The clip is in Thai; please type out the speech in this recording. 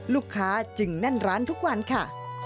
ลูกค้าจึงแน่นร้านทุกวันค่ะ